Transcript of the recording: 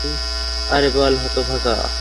আরে বল, হতভাগা।